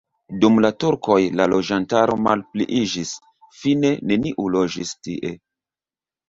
Dum la turkoj la loĝantaro malpliiĝis, fine neniu loĝis tie.